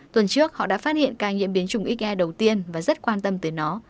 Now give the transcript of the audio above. tuần trước họ đã phát hiện ca nhiễm biến chủng xia đầu tiên và rất quan tâm tới nó